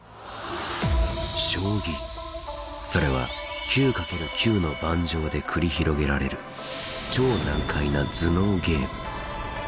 将棋それは９×９の盤上で繰り広げられる超難解な頭脳ゲーム。